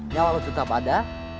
nyawa lo tetap ada